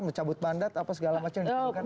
mencabut bandat apa segala macam